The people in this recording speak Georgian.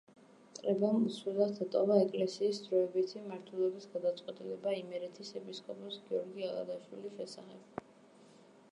კრებამ უცვლელად დატოვა ეკლესიის დროებითი მმართველობის გადაწყვეტილება იმერეთის ეპისკოპოს გიორგი ალადაშვილის შესახებ.